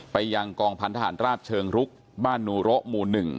ไปยังกองพันธหารราบเชิงรุกบ้านนูระหมู่๑